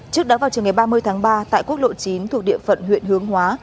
trước đó vào trường ngày ba mươi tháng ba tại quốc lộ chín thuộc địa phận huyện hướng hóa